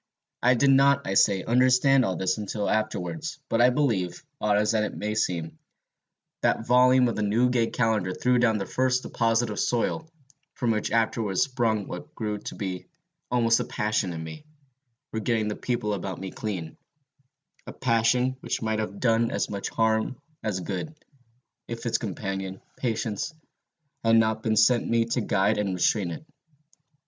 I did not, I say, understand all this until afterwards; but I believe, odd as it may seem, that volume of the Newgate Calendar threw down the first deposit of soil, from which afterwards sprung what grew to be almost a passion in me, for getting the people about me clean, a passion which might have done as much harm as good, if its companion, patience, had not been sent me to guide and restrain it.